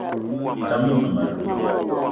Tam gne mmem- alou